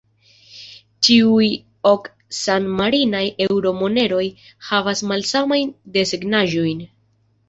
Ĉiuj ok san-marinaj eŭro-moneroj havas malsamajn desegnaĵojn.